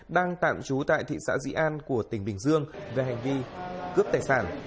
đang tạm trú tại thị xã dĩ an của tỉnh bình dương về hành vi cướp tài sản